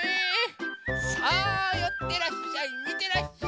さあよってらっしゃいみてらっしゃい。